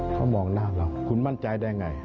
เขามองหน้าเราคุณมั่นใจได้ไง